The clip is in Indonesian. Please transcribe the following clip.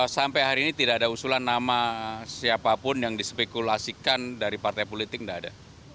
sampai hari ini tidak ada usulan nama siapapun yang dispekulasikan dari partai politik tidak ada